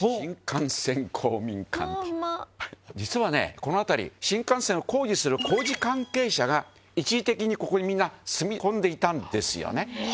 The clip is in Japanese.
この辺り新幹線を工事する工事関係者が貉ここにみんな住み込んでいたんですよね。